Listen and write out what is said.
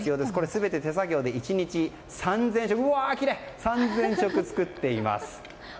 全て手作業で１日３０００食、作っています。